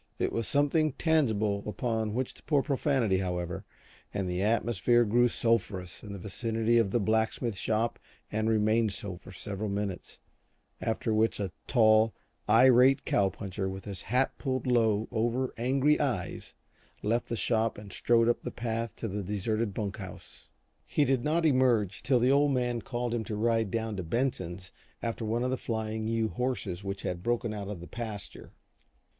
It was something tangible upon which to pour profanity, however, and the atmosphere grew sulphurous in the vicinity of the blacksmith shop and remained so for several minutes, after which a tall, irate cow puncher with his hat pulled low over angry eyes left the shop and strode up the path to the deserted bunk house. He did not emerge till the Old Man called to him to ride down to Benson's after one of the Flying U horses which had broken out of the pasture.